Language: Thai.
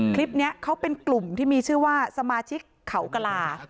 คลิปนี้เขาเป็นกลุ่มที่มีชื่อว่าสมาชิกเขากลา